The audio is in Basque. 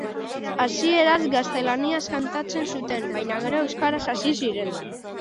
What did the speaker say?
Hasieran gaztelaniaz kantatzen zuten baina gero euskaraz hasi ziren.